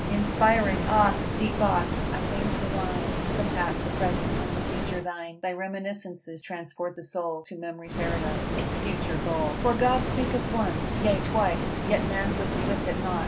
Inspiring oft deep thoughts of things divine: The past, the present, and the future thine. Thy reminiscences transport the soul To memory's Paradise its future goal. "_For God speaketh once, yea twice, yet man perceiveth it not.